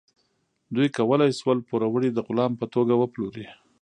دوی کولی شول پوروړی د غلام په توګه وپلوري.